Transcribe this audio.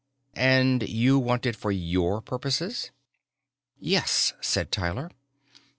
"And you want it for your purposes?" "Yes," said Tyler.